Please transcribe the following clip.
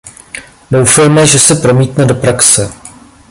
Doufejme, že se promítne do praxe.